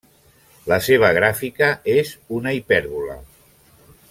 La seva gràfica és una hipèrbola.